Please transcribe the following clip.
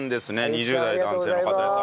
２０代男性の方です。